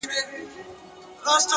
د ساده فکر ځواک ذهن روښانه کوي،